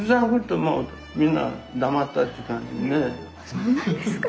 そうなんですか？